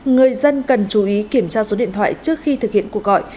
người dân cần chú ý kiểm tra số điện thoại trước khi thực hiện cuộc gọi